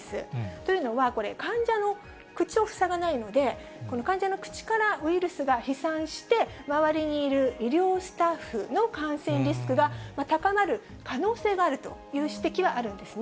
というのは、これ、患者の口を塞がないので、患者の口からウイルスが飛散して、周りにいる医療スタッフの感染リスクが高まる可能性があるという指摘はあるんですね。